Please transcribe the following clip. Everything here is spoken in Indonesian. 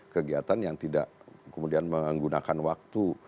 kegiatan yang tidak kemudian menggunakan waktu